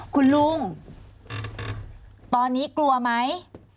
คุณลุงตอนนี้กลัวไหม